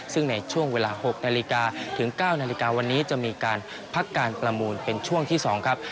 ซึ่งในช่วงเวลา๖นาฬิกาถึง๙นาฬิกาวันนี้จะมีการพักการประมูลเป็นช่วงที่๒ครับ